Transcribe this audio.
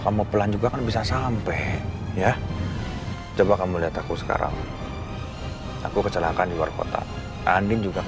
aku gak akan bisa menghindar dari gue